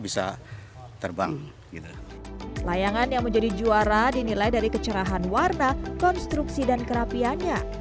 bisa terbang gitu layangan yang menjadi juara dinilai dari kecerahan warna konstruksi dan kerapiannya